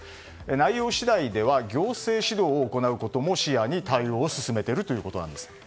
内容次第では行政指導を行うことも視野に対応を進めているということなんです。